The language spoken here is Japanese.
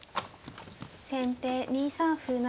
先手２三歩成。